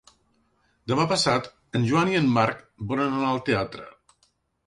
Demà passat en Joan i en Marc volen anar al teatre.